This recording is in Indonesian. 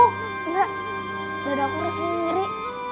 enggak dadaku rasa ngeri